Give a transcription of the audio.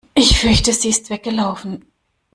Ich fürchte, sie ist weggelaufen.